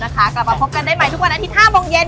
กลับมาพบกันได้ใหม่ทุกวันอาทิตย์๕โมงเย็น